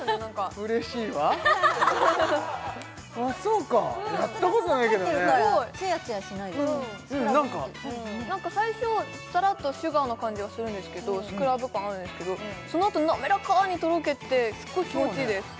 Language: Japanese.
うん何か最初サラッとシュガーの感じはするんですけどスクラブ感あるんですけどそのあと滑らかにとろけてすっごい気持ちいいです